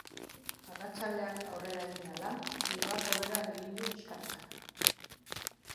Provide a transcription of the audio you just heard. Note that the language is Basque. Arratsaldeak aurrera egin ahala, giroak hobera egingo du pixkanaka.